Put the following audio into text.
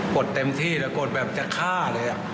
ดเต็มที่เลยกดแบบจะฆ่าเลย